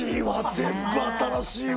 全部新しいわ。